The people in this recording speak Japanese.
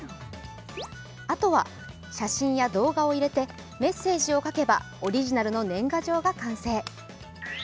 あとは写真や動画を入れてメッセージを書けばオリジナルの年賀状が完成。